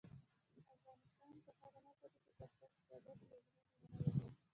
افغانستان تر هغو نه ابادیږي، ترڅو حسادت له زړونو ونه وځي.